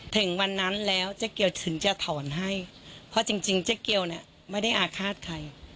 ถึงวันนั้นแล้วเจ๊เกียวถึงจะถอนให้เพราะจริงเจ๊เกียวเนี่ยไม่ได้อาฆาตใคร